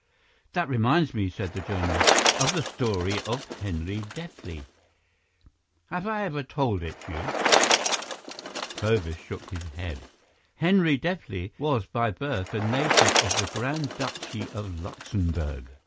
"That reminds me," said the journalist, "of the story of Henri Deplis. Have I ever told it you?" Clovis shook his head. "Henri Deplis was by birth a native of the Grand Duchy of Luxemburg.